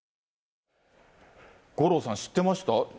五郎さん、知ってました？